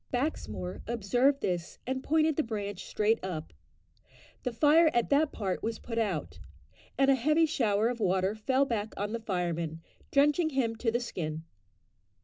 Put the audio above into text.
Baxmore observed this; and pointed the branch straight up. The fire at that part was put out, and a heavy shower of water fell back on the fireman, drenching him to the skin.